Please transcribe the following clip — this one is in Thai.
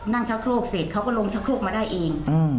ชักโครกเสร็จเขาก็ลงชะโครกมาได้เอง